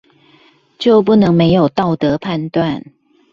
就不能沒有道德判斷